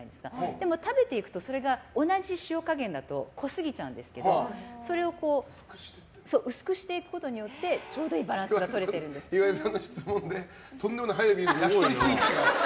でも食べていくと同じ塩加減だと濃すぎちゃうんですけどそれを薄くしていくことによってちょうどいいバランスが岩井さんの質問でとんでもない早見優の焼き鳥スイッチが。